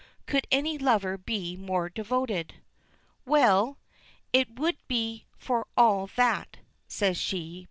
Could any lover be more devoted! "Well, it would be for all that," says she.